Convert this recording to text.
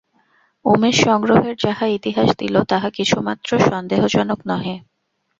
উমেশ সংগ্রহের যাহা ইতিহাস দিল তাহা কিছুমাত্র সন্তোষজনক নহে।